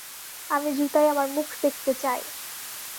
আমি জুতায় আমার মুখ দেখতে চাই!